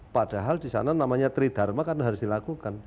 padahal di sana namanya tridharma kan harus dilakukan